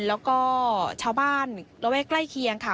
แล้วก็ชาวบ้านระแวกใกล้เคียงค่ะ